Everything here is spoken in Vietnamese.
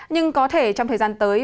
nhưng có thể trong thời gian tới